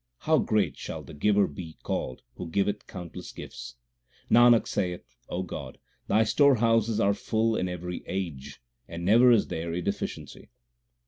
How great shall the Giver be called who giveth countless gifts ! Nanak saith, God, Thy storehouses are full in every age, and never is there a deficiency.